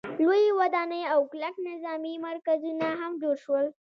لویې ودانۍ او کلک نظامي مرکزونه هم جوړ شول.